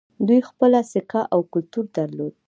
دوی خپله سکه او کلتور درلود